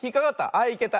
あっいけた。